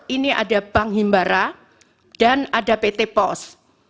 ini ada bank himbara dan ada pt pos